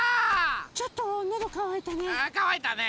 ちょっとのどかわいたね。